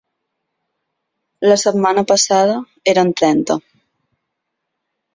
La setmana passada eren trenta.